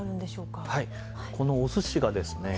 このおすしがですね